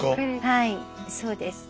はいそうです。